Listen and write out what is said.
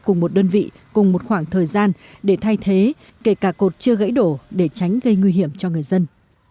cùng một đơn vị cùng một khoảng thời gian để thay thế kể cả cột chưa gãy đổ để tránh gây nguy hiểm cho người dân